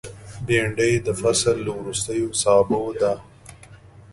بېنډۍ د فصل له وروستیو سابو ده